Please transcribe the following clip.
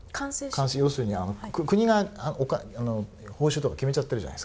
要するに国が報酬とか決めちゃってるじゃないですか。